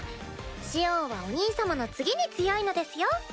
シオンはお兄様の次に強いのですよ。